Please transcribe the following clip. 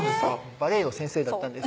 バレエの先生だったんです